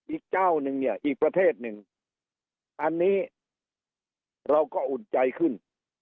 อีกเจ้าหนึ่งเนี่ยอีกประเทศหนึ่งอันนี้เราก็อุ่นใจขึ้น